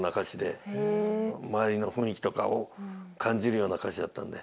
周りの雰囲気とかを感じるような歌詞だったんで。